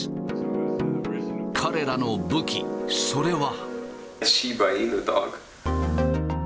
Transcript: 彼らの武器、それは。